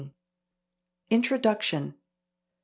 INTRODUCTION 1.